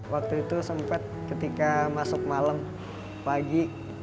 waktu itu sempat ketika masuk malam pagi